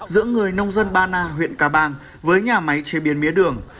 giữa người nông dân ba na huyện ca bang với nhà máy chế biến mía đường